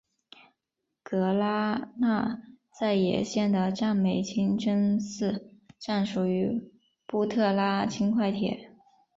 格拉那再也线的占美清真寺站属于布特拉轻快铁。